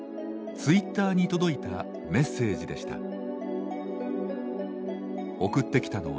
ツイッターに届いたメッセージでした。